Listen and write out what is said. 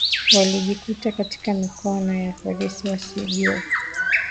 walijikuta katika mikono ya polisi wasijue